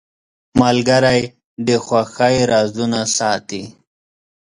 ملګری د خوښۍ رازونه ساتي.